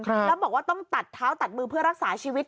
แล้วบอกว่าต้องตัดเท้าตัดมือเพื่อรักษาชีวิต